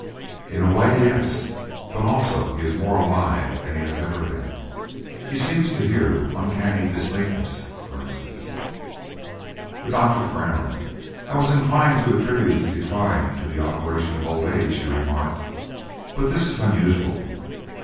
"In a way, yes. But also he is more alive than he has ever been. He seems to hear with uncanny distinctness, for instance." The doctor frowned. "I was inclined to attribute his decline to the operation of old age," he remarked, "but this is unusual.